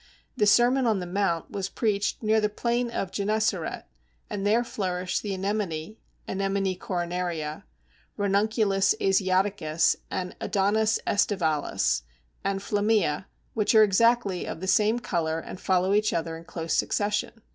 The Sermon on the Mount was preached near the plain of Gennesaret, and there flourish the Anemone (Anemone coronaria), Ranunculus asiaticus, and Adonis aestivalis and flammea, which are exactly of the same colour and follow each other in close succession.